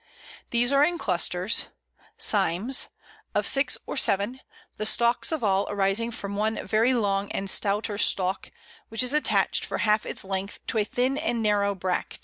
These are in clusters (cymes) of six or seven, the stalks of all arising from one very long and stouter stalk, which is attached for half its length to a thin and narrow bract.